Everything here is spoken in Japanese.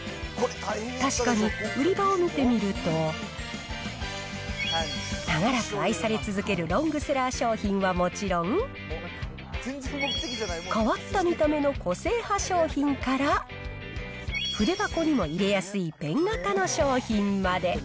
確かに売り場を見てみると、長らく愛され続けるロングセラー商品はもちろん、変わった見た目の個性派商品から、筆箱にも入れやすいペン型の商品まで。